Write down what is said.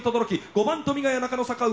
５番富ヶ谷中野坂上。